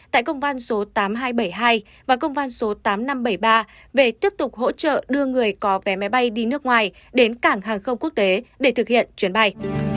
tại công văn số tám nghìn hai trăm bảy mươi hai và công văn số tám nghìn năm trăm bảy mươi ba về tiếp tục hỗ trợ đưa người có vé máy bay đi nước ngoài đến cảng hàng không quốc tế để thực hiện chuyến bay